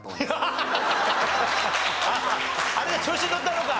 あれで調子に乗ったのか。